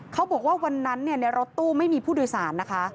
เขาบอกว่าวันนั้นในรถตู้ไม่มีผู้โดยสารนะคะ